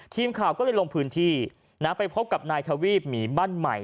ทีมข่าวก็เลยลงพื้นที่ไปพบกับนายทวีปหมีบ้านใหม่